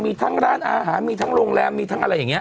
มีทั้งร้านอาหารมีทั้งโรงแรมมีทั้งอะไรอย่างนี้